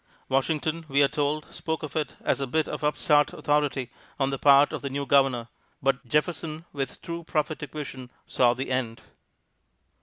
Washington, we are told, spoke of it as a bit of upstart authority on the part of the new Governor; but Jefferson with true prophetic vision saw the end.